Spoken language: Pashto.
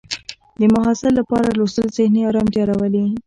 د محصل لپاره لوستل ذهني ارامتیا راولي.